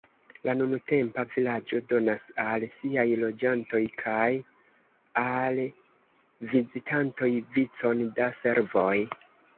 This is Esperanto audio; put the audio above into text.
La nuntempa vilaĝo donas al siaj loĝantoj kaj al vizitantoj vicon da servoj.